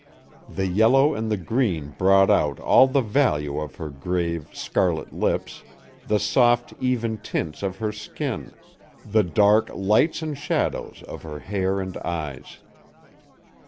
The yellow and the green brought out all the value of her grave, scarlet lips, the soft, even tints of her skin, the dark lights and shadows of her hair and eyes.